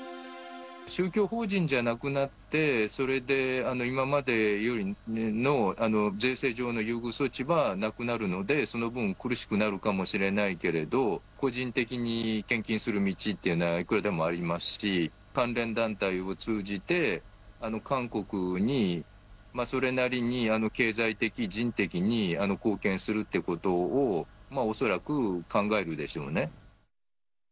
宗教法人じゃなくなって、それで、今までの税制上の優遇措置はなくなるので、その分、苦しくなるかもしれないけれど、個人的に献金する道というのはいくらでもありますし、関連団体を通じて、韓国に、それなりに経済的、人的に貢献するってことを、恐らく考えるでしょうね。